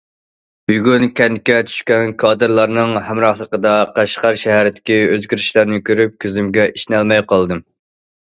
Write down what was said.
بۈگۈن كەنتكە چۈشكەن كادىرلارنىڭ ھەمراھلىقىدا قەشقەر شەھىرىدىكى ئۆزگىرىشلەرنى كۆرۈپ، كۆزۈمگە ئىشىنەلمەي قالدىم.